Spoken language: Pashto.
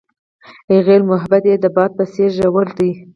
هغې وویل محبت یې د باد په څېر ژور دی.